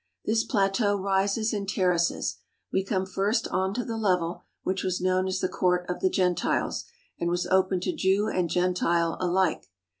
This plateau rises in terraces. We come first on to the level, which was known as the Court of the Gentiles, and was open to Jew and Gentile alike.